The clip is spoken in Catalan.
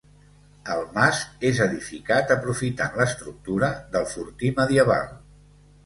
El mas és edificat aprofitant l'estructura del fortí medieval.